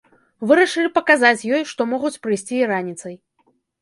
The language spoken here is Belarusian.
Вырашылі паказаць ёй, што могуць прыйсці і раніцай.